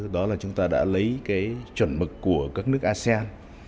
đó là chúng ta đã lấy cái chuẩn mực của các nước asean